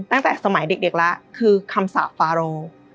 ตั้งแต่สมัยเด็กแล้วคือคำสาปฟาโร